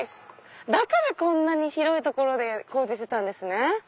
だからこんなに広い所で工事してたんですね。